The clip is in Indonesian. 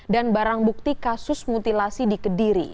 dan barang bukti kasus mutilasi di kediri